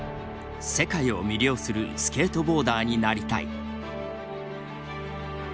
「世界を魅了するスケートボーダーになりたい」。